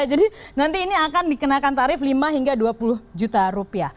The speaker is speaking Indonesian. jadi nanti ini akan dikenakan tarif rp lima hingga rp dua puluh